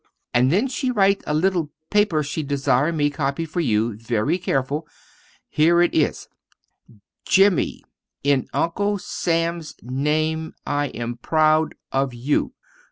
And then she write a little paper she desire me copy for you very careful. Here is it: "Jimmy, in Uncle Sam's name I am proud of you.